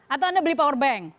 atau anda beli power bank